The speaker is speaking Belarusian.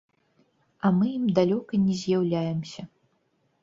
А мы ім далёка не з'яўляемся.